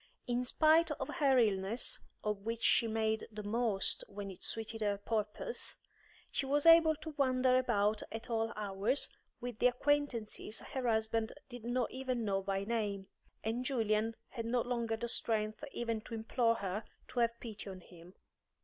In spite of her illness, of which she made the most when it suited her purpose, she was able to wander about at all hours with the acquaintances her husband did not even know by name, and Julian had no longer the strength even to implore her to have pity on him.